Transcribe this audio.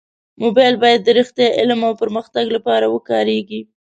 موبایل باید د رښتیا، علم او پرمختګ لپاره وکارېږي.